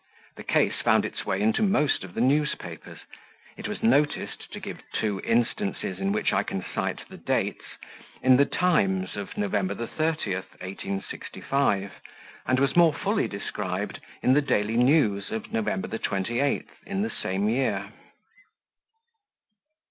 The case found its way into most of the newspapers. It was noticed to give two instances in which I can cite the dates in the Times of November 30th, 1865, and was more fully described in the Daily News of November 28th, in the same year.